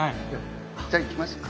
じゃあ行きましょうか。